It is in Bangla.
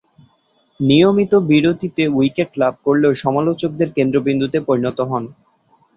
নিয়মিত বিরতিতে উইকেট লাভ করলেও সমালোচকদের কেন্দ্রবিন্দুতে পরিণত হন।